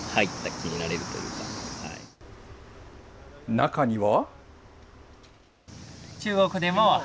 中には。